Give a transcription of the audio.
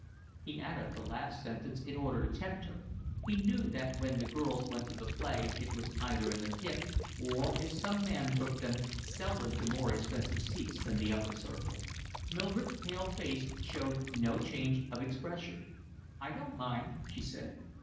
He added the last sentence in order to tempt her. He knew that when the girls went to the play it was either in the pit, or, if some man took them, seldom to more expensive seats than the upper circle. Mildred's pale face showed no change of expression. "I don't mind," she said.